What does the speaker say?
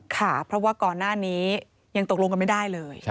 ค่ะเพราะว่าก่อนหน้านี้ยังตกลงกันไม่ได้เลย